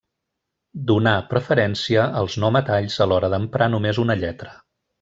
Donà preferència als no metalls a l'hora d'emprar només una lletra.